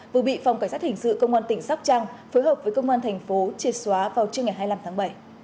vừa bị phòng cảnh sát hình sự công an tỉnh sóc trăng phối hợp với công an thành phố triệt xóa vào trưa ngày hai mươi năm tháng bảy